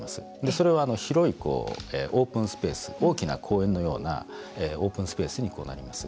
それは広いオープンスペース大きな公園のようなオープンスペースになります。